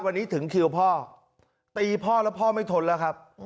วันนี้ถึงคิวพ่อตีพ่อแล้วพ่อไม่ทนแล้วครับ